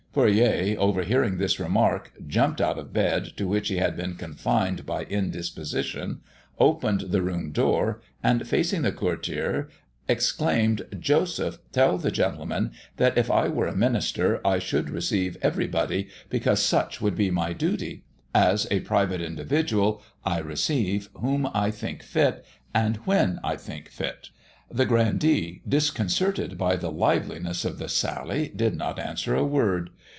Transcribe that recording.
Fourier, overhearing this remark, jumped out of bed, to which he had been confined by indisposition, opened the room door, and facing the courtier, exclaimed, "Joseph, tell the gentleman, that if I were a minister, I should receive everybody, because such would be my duty: as a private individual, I receive whom I think fit, and when I think fit." The grandee, disconcerted by the liveliness of the sally, did not answer a word.